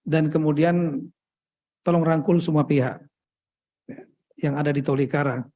dan kemudian tolong rangkul semua pihak yang ada di tolikara